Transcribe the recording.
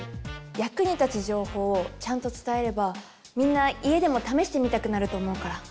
役に立つ情報をちゃんと伝えればみんな家でも試してみたくなると思うから。